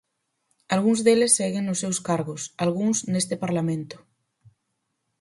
Algúns deles seguen nos seus cargos, algúns neste Parlamento.